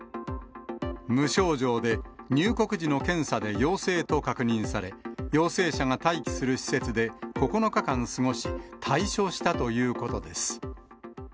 無症状で、入国時の検査で陽性と確認され、陽性者が待機する施設で９日間過ごし、退所したということです。